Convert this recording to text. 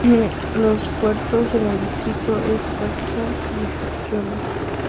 Los puertos en el distrito es Puerto de Johor